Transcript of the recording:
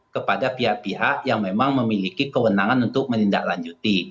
kepada pihak pihak yang memang memiliki kewenangan untuk menindaklanjuti